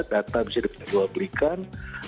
data bisa dikejualbelikan